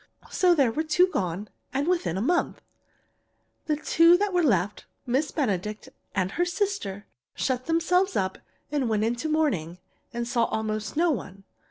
So there were two gone, and within a month. The two that were left, Miss Benedict and her sister, shut themselves up and went into mourning and saw almost no one.